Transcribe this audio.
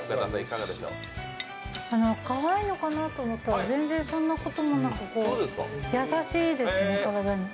辛いのかなと思ったら、全然そんなことなく優しいです、体に。